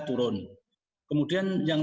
turun kemudian yang